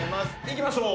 いきましょう。